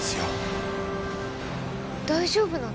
大丈夫なの？